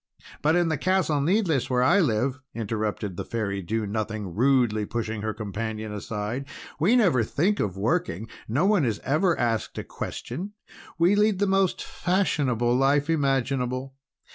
"But in the Castle Needless, where I live," interrupted the Fairy Do Nothing, rudely pushing her companion aside, "we never think of working. No one is ever asked a question. We lead the most fashionable life imaginable.